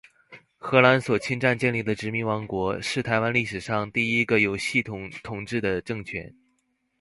荷兰所侵占建立的殖民王国，是台湾历史上第一个有系统统治的政权。